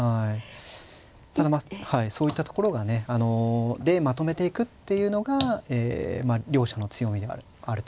ただまあそういったところがねあのでまとめていくっていうのが両者の強みではあるとは思うので。